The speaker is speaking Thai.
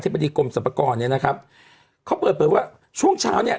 บดีกรมสรรพากรเนี่ยนะครับเขาเปิดเผยว่าช่วงเช้าเนี้ย